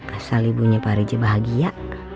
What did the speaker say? asal ibunya pak reje bahagia